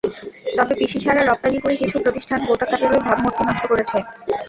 তবে পিসি ছাড়া রপ্তানি করে কিছু প্রতিষ্ঠান গোটা খাতেরই ভাবমূর্তি নষ্ট করেছে।